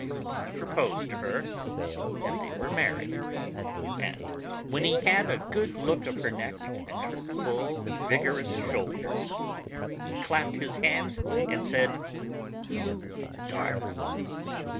He proposed to her, and they were married. And when he had a good look of her neck and her full vigorous shoulders, he clapped his hands and said: "You darling!"